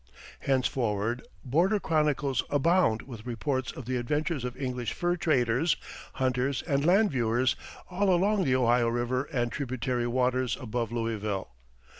Henceforward, border chronicles abound with reports of the adventures of English fur traders, hunters, and land viewers, all along the Ohio River and tributary waters above Louisville.